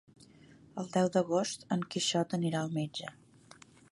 El deu d'agost en Quixot anirà al metge.